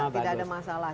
tidak ada masalah